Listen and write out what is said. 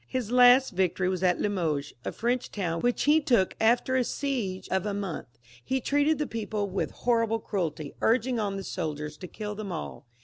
His last victory was at Limoges, a French town, which he had taken after a siege of a month, where he treated the people with horrible cruelty, urging on the soldiers to kill them all.